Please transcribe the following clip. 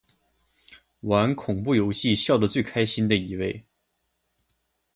玩恐怖游戏笑得最开心的一位